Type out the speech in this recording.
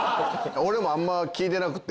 俺もあんま聞いてなくて。